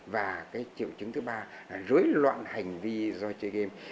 và cái triệu chứng thứ ba rối loạn hành vi do chơi game